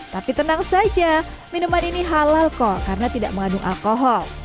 tapi tenang saja minuman ini halal kok karena tidak mengandung alkohol